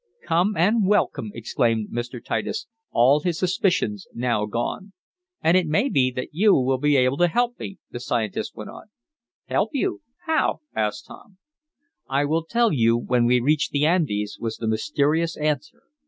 "Come, and welcome!" exclaimed Mr. Titus, all his suspicions now gone. "And it may be that you will be able to help me," the scientist went on. "Help you how?" asked Tom. "I will tell you when we reach the Andes," was the mysterious answer.